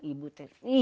ibu terima kasih